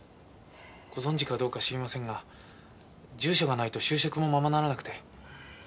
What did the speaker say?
ご存じかどうか知りませんが住所がないと就職もままならなくて。